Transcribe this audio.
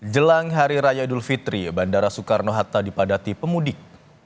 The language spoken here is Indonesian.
jelang hari raya idul fitri bandara soekarno hatta dipadati pemudik